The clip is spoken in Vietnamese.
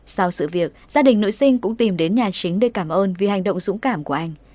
sau sự việc gia đình nội sinh cũng tìm đến nhà chính để cảm ơn vì hành động dũng cảm của anh